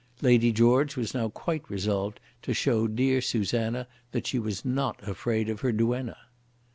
Lady George was now quite resolved to show dear Susanna that she was not afraid of her duenna.